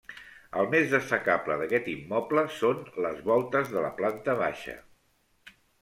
El més destacable d'aquest immoble són les voltes de la planta baixa.